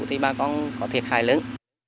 thì bà con có thiệt hại lớn